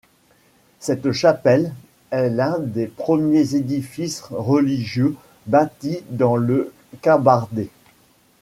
Cette chapelle est l’un des premiers édifices religieux bâtis dans le Cabardès.